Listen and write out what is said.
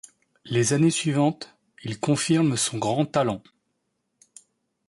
Les années suivantes, il confirme son grand talent.